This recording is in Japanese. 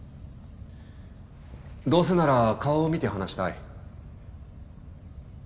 どうせなら顔を見て話したい。